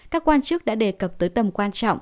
các quan chức đã đề cập tới tầm quan trọng